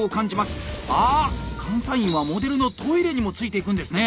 監査員はモデルのトイレにもついていくんですね！